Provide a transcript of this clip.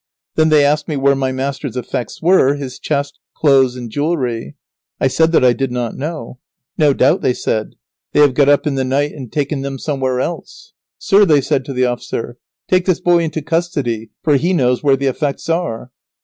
Then they asked me where my master's effects were, his chest, clothes, and jewelry. I said that I did not know. No doubt, they said, they have got up in the night and taken them somewhere else. [Sidenote: Lazaro is taken into custody.] "Sir," they said to the officer, "take this boy into custody, for he knows where the effects are."